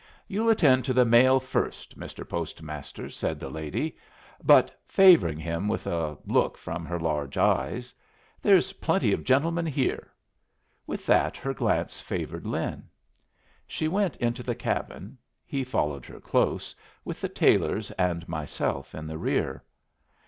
"You'll attend to the mail first, Mr. Postmaster!" said the lady, but favoring him with a look from her large eyes. "There's plenty of gentlemen here." With that her glance favored Lin. She went into the cabin, he following her close, with the Taylors and myself in the rear.